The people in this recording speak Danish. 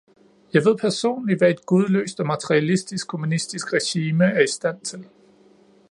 Jeg ved personligt, hvad et gudløst og materialistisk kommunistisk regime er i stand til.